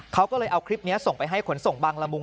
เขาก็เลยเอาคลิปนี้ส่งไปให้ขนส่งบังละมุง